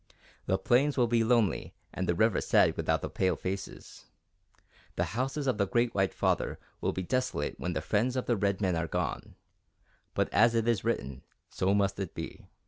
The plains will be lonely and the river sad without the palefaces. The houses of the Great White Father will be desolate when the friends of the red men are gone, but as it is written, so must it be.